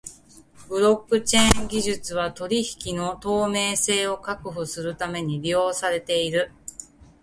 ブロックチェーン技術は取引の透明性を確保するために利用されている。